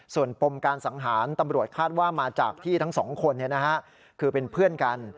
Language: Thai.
ส่วนปมการสังหารตำรวจคาดว่ามาจากที่ทั้งสองคนคือเป็นเพื่อนกัน